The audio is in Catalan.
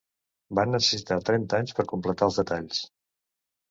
Van necessitar trenta anys per completar els detalls.